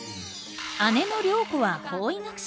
姉の涼子は法医学者。